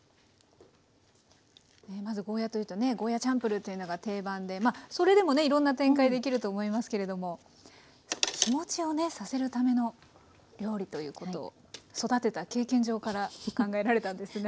まずゴーヤーというとねゴーヤ−チャンプルーっていうのが定番でそれでもねいろんな展開出来ると思いますけれども日持ちをねさせるための料理ということを育てた経験上から考えられたんですね。